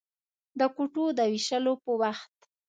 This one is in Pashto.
د کوټو د وېشلو په وخت.